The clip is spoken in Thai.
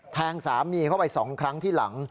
แทงสามีเข้าไป๒ครั้งที่หลัง